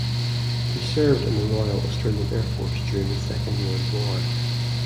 He served in the Royal Australian Air Force during the Second World War.